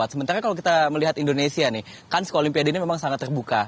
sementara kalau kita melihat indonesia nih kan olimpiade ini memang sangat terbuka